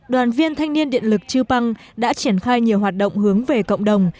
đoàn viên thanh niên điện lực chư păng đã triển khai nhiều hoạt động hướng về cộng đồng